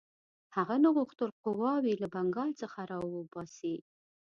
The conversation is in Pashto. هغه نه غوښتل قواوې له بنګال څخه را وباسي.